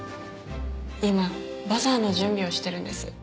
今バザーの準備をしてるんです。